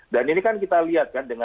dan ini kan kita lihat kan